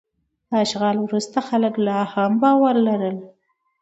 د اشغال وروسته خلک لا هم باور لرل.